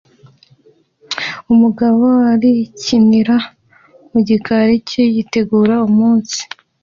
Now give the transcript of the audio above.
Umugabo arikinira mu gikari cye yitegura umunsi